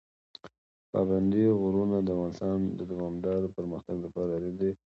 پابندي غرونه د افغانستان د دوامداره پرمختګ لپاره اړین دي.